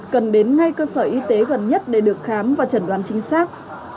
cần đến ngay cơ sở y tế gần nhất để được khám và chẩn đoán chính xác